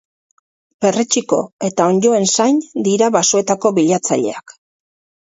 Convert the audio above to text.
Perritxiko eta onddoen zain dira basoetako biltzaileak.